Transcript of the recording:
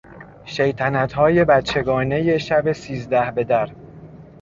شیطنتهای بچگانهی شب سیزده بدر